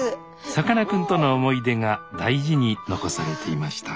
さかなクンとの思い出が大事に残されていました